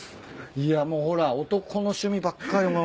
いやもうほら男の趣味ばっかりもう。